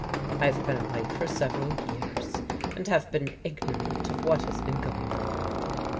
I have been away for sev eral years, and have been ignorant of what has been go ing on.